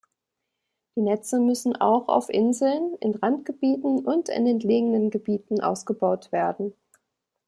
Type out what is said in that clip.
Die Netze müssen auch auf Inseln, in Randgebieten und entlegenen Gebieten ausgebaut werden.